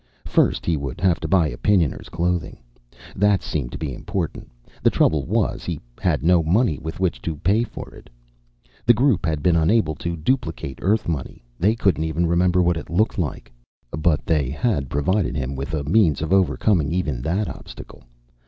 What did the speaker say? First, he would have to buy Opinioners' clothing. That seemed to be important. The trouble was, he had no money with which to pay for it. The Group had been unable to duplicate Earth money; they couldn't even remember what it looked like. But they had provided him with a means of overcoming even that obstacle.